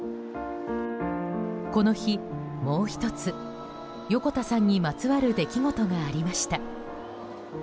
この日、もう１つ横田さんにまつわる出来事がありました。